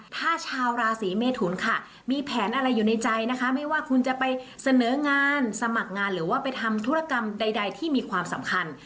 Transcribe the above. ถ้าชาวราศีเมทุนค่ะมีแผนอะไรอยู่ในใจนะคะไม่ว่าคุณจะไปเสนองานสมัครงานหรือว่าไปทำธุรกรรมใดที่มีความสำคัญ